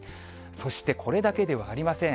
そして、これだけではありません。